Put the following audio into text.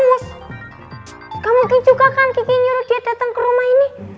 nggak mungkin juga kan kiki nyuruh dia dateng ke rumah ini